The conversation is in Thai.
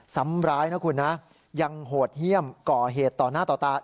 ซ้ำร้ายนะคุณนะยังโหดเยี่ยมก่อเหตุต่อหน้าต่อตา